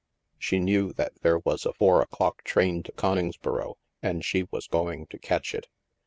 She knew that there was a four o'clock train to Coningsboro, and she was going to catch it.